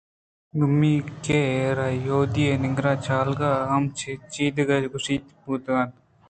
دومی k ءَ را یہودی نیکراہ ءِ چلگ(salvation) ءِ ہم چیدگ گوٛشگ بوت کنت